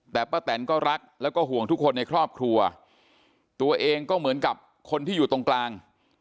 แต่ป้าแตนก็รักแล้วก็ห่วงทุกคนในครอบครัวตัวเองก็เหมือนกับคนที่อยู่ตรงกลาง